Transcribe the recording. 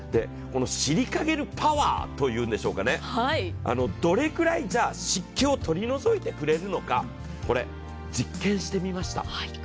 シリカゲルパワーというんでしょうかね、どれくらい湿気を取り除いてくれるのかこれ、実験してみました。